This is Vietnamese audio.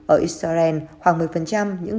ở israel khoảng một mươi